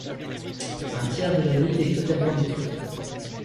Un tiers de la ville est totalement détruit.